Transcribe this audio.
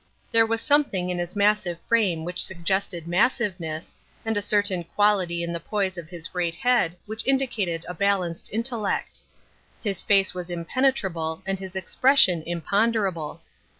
There was something in his massive frame which suggested massiveness, and a certain quality in the poise of his great head which indicated a balanced intellect. His face was impenetrable and his expression imponderable.